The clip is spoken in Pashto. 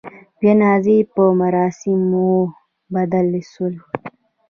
جنازې په مراسموبدل سول.